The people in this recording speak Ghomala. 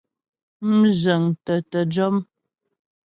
Mzhə̌ŋtə tə jɔ́m.